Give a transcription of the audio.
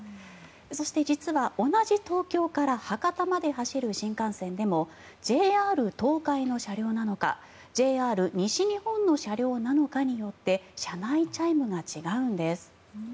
そして、実は同じ、東京から博多まで走る新幹線でもＪＲ東海の車両なのかＪＲ西日本の車両なのかによって車内チャイムが違うんです。